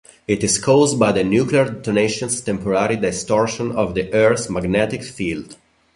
It is caused by the nuclear detonation's temporary distortion of the Earth's magnetic field.